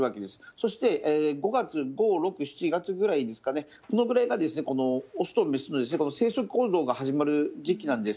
そして５月、５、６、７月ぐらいですかね、このぐらいが雄と雌の生殖行動が始まる時期なんです。